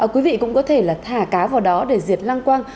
quý vị cũng có thể là thả cá vào đó để diệt lăng quăng